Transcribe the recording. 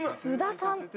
菅田さん。